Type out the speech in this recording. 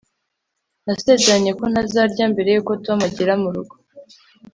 nasezeranye ko ntazarya mbere yuko tom agera murugo